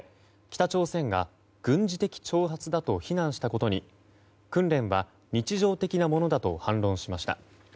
北朝鮮が軍事的挑発だと非難したことに訓練は日常的なものだと反論しました。